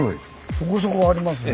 そこそこありますね。